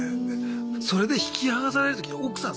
それで引き離される時奥さん